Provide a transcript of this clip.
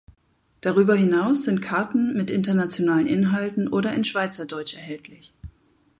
Darüber hinaus sind Karten mit internationalen Inhalten oder in Schweizerdeutsch erhältlich.